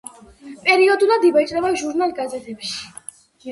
პერიოდულად იბეჭდება ჟურნალ-გაზეთებში.